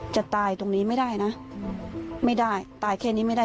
จะตายตรงนี้ไม่ได้นะไม่ได้ตายแค่นี้ไม่ได้